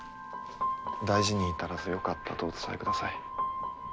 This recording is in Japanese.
大事に至らずよかったとお伝えください。